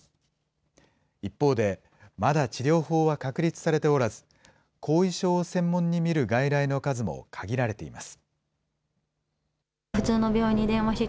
一方で、まだ治療法は確立されておらず、後遺症を専門に診る外来の数も限られています。